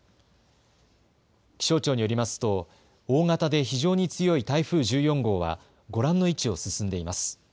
気象庁によりますと大型で非常に強い台風１４号はご覧の位置を進んでいます。